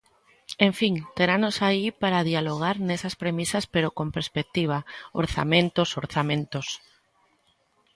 En fin, teranos aí para dialogar nesas premisas pero con perspectiva: orzamentos, orzamentos.